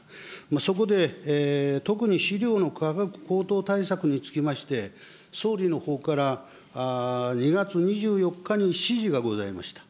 そこで、特に飼料の価格高騰対策につきまして、総理のほうから２月２４日に指示がございました。